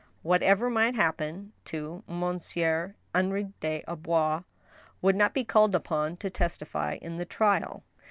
Whatever might happen, too. Monsieur Henri des Arbois would not be called upon to testify in the trial.